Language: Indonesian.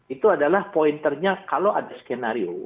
itu adalah pointernya kalau ada skenario